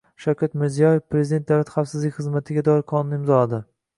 Shavkat Mirziyoyev Prezident Davlat xavfsizlik xizmatiga doir qonunni imzoladi